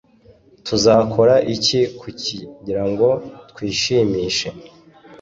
tuzakora iki kugirango twishimishe